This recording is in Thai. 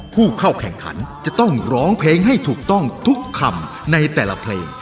ผู้เข้าแข่งขันจะต้องร้องเพลงให้ถูกต้องทุกคำในแต่ละเพลง